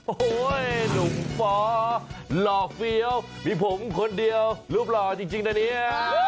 โอ้โห้ยนุ่มสอนุ่มหลอกเฟียวมีผมคนเดียวรูปหลอกจริงน่ะเนี่ย